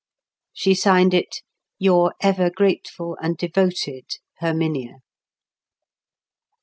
She signed it, "Your ever grateful and devoted HERMINIA."